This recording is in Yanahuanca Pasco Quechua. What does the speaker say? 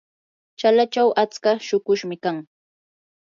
chalachaw atsa shuqushmi kan.